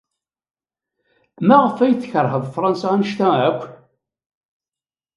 Maɣef ay tkeṛhed Fṛansa anect-a akk?